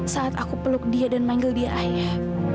saat aku peluk dia dan manggil dia ayah